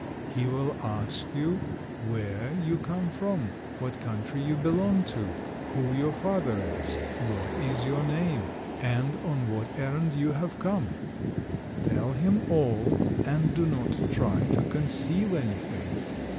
He will ask you where you come from, what country you belong to, who your father is, what is your name, and on what errand you have come. Tell him all, and do not try to conceal anything.